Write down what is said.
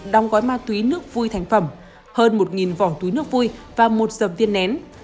đong gói ma túy nước vui thành phẩm hơn một vỏ túy nước vui và một dầm viên nén